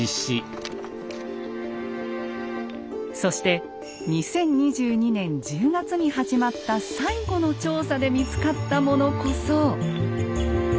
そして２０２２年１０月に始まった最後の調査で見つかったものこそ。